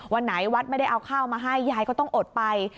วันไหนวัดไม่ได้เอาข้าวมาให้ยายก็ต้องอดไป